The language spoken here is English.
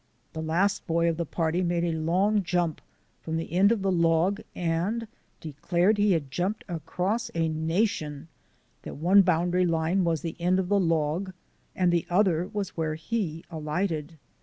The last boy of the party made a long jump from the end of the log and declared he had jumped across a nation — that one boundary line was the end of the log and the other was where he alighted.